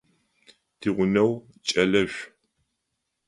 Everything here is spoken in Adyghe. Тигъунэгъу кӏэлэшӏу.